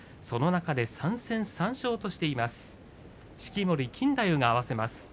その中で３戦３勝としています。